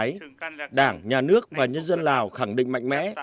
trong bối cảnh này đảng nhà nước và nhân dân lào khẳng định mạnh mẽ